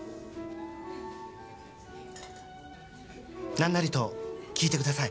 何なりと訊いてください。